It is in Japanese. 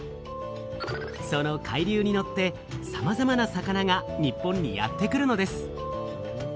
その海流に乗ってさまざまな魚が日本にやって来るのです。